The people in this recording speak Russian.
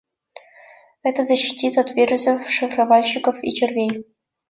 Это защитит от вирусов-шифровальщиков и червей